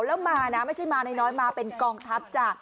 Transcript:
แล้วมานะไม่ใช่มาน้อยมาเป็นกองทัพจ้ะ